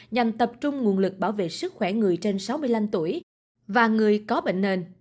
nhằm tập trung nguồn lực bảo vệ sức khỏe người trên sáu mươi năm tuổi và người có bệnh nền